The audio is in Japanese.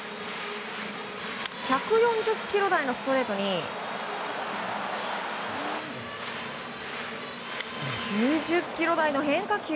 １４０キロ台のストレートに９０キロ台の変化球。